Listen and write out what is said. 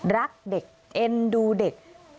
รักเด็กเอ็นดูเด็ก